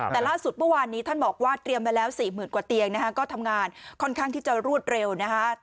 แต่ล่าสุดเมื่อวานนี้ท่านบอกว่าเตรียมมาแล้ว๔๐๐๐กว่าเตียงนะฮะก็ทำงานค่อนข้างที่จะรวดเร็วนะฮะ